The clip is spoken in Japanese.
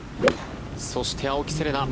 そして、青木瀬令奈。